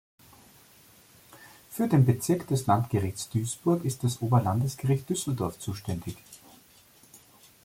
Für den Bezirk des Landgerichts Duisburg ist das Oberlandesgericht Düsseldorf zuständig.